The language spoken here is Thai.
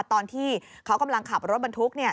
ตอนที่เขากำลังขับรถบรรทุก